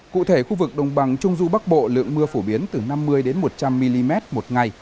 cụ thể khu vực đồng bằng trung du bắc bộ lượng mưa phổ biến từ năm mươi một trăm linh mm một ngày